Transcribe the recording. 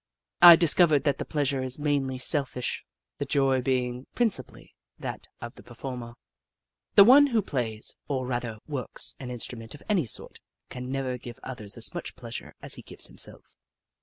I discovered that the pleasure is mainly selfish, the joy being principally that of the performer. The one who plays, or rather works, an instrument of any sort, can never give others as much pleasure as he gives him self.